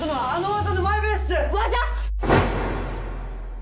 技？